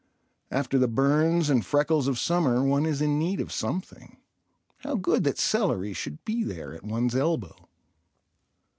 After the burns and freckles of summer one is in need of something. How good that celery should be there at one's elbow.